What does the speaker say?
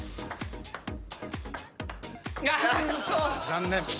残念。